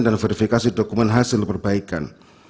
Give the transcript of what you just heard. dan verifikasi dokumen hasil perbaikan